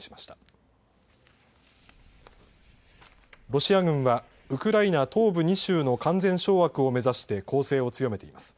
ロシア軍はウクライナ東部２州の完全掌握を目指して攻勢を強めています。